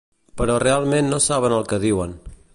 Però realment no saben el que diuen.